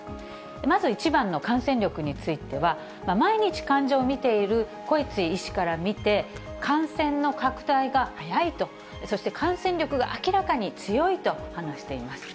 まず１番の感染力については、毎日患者を診ているコエツィ医師から見て、感染の拡大が速いと、そして感染力が明らかに強いと話しています。